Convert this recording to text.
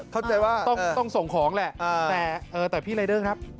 เข้าใจว่าต้องต้องส่งของแหละอ่าแต่เออแต่พี่รายเดอร์ครับ